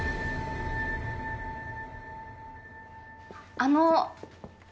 あの。